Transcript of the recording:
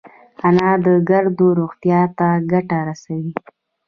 انار د ګردو روغتیا ته ګټه رسوي.